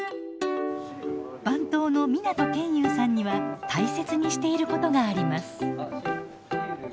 番頭の湊研雄さんには大切にしていることがあります。